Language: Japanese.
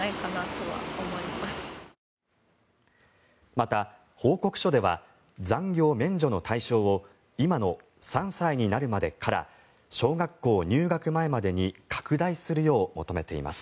また、報告書では残業免除の対象を今の３歳になるまでから小学校入学前までに拡大するよう求めています。